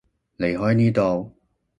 離開呢度